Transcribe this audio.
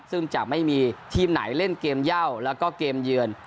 ซึ่งจะไม่มีทีมไหนเล่นเกมเย่าแล้วก็เกมเยือน